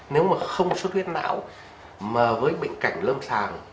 nếu mà không có xuất huyết não mà với bệnh cảnh lâm sàng